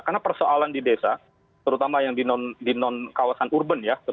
karena persoalan di desa terutama yang di non kawasan urban